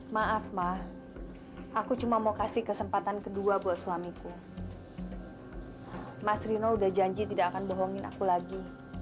maaf mah aku cuma mau kasih kesempatan kedua buat suamiku mas rino udah janji tidak akan bohongin aku lagi